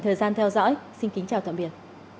thời gian theo dõi xin kính chào tạm biệt